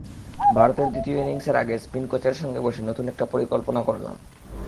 ভারতের দ্বিতীয় ইনিংসের আগে স্পিন কোচের সঙ্গে বসে নতুন একটা পরিকল্পনা করলাম।